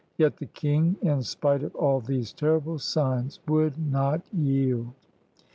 Yet the king, in spite of all these terrible signs, would not yield.